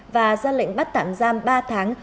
và ra lệnh bắt tạm giam ba tháng